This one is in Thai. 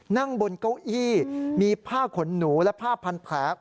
นั่งบนเก้าอี้มีผ้าขนหนูและผ้าพันแผล